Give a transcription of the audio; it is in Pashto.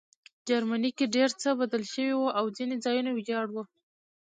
جرمني کې ډېر څه بدل شوي وو او ځینې ځایونه ویجاړ وو